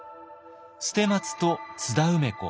捨松と津田梅子